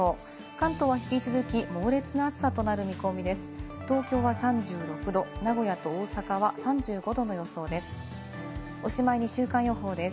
関東は引き続き猛烈な暑さとなる見込みです。